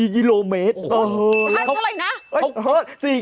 ๔กิโลเมตรอ๋อนัดเท่าไรนะ